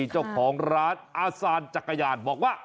เจ้าของร้านอาซานจักรยานบอกว่า